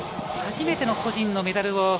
初めての個人のメダルを。